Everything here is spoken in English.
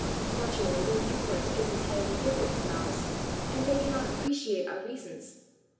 Naturally their view point is entirely different from ours, and they cannot appreciate our reasons.